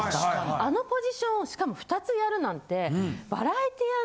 あのポジションをしかも２つやるなんて。